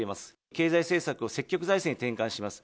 経済政策を積極財政に転換します。